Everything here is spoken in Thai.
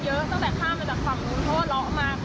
รอขึ้นมาตรงทางที่เขาลงไปได้ค่ะตอนนี้เรารู้เพศแล้วพอทราบเพศ